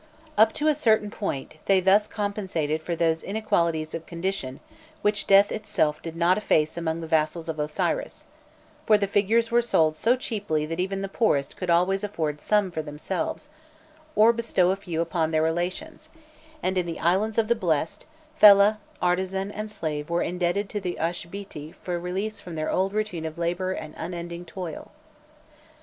Up to a certain point they thus compensated for those inequalities of condition which death itself did not efface among the vassals of Osiris; for the figures were sold so cheaply that even the poorest could always afford some for themselves, or bestow a few upon their relations; and in the Islands of the Blest, fellah, artisan, and slave were indebted to the Uashbîti for release from their old routine of labour and unending toil.